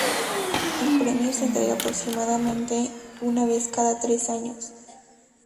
El premios se entrega aproximadamente una vez cada tres años.